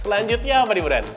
selanjutnya apa nih gibran